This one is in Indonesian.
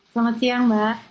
selamat siang mbak